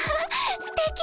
すてき！